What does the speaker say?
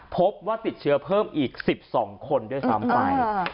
พบว่าติดเชื้อเพิ่มอีก๑๒คนด้วยซ้ำไป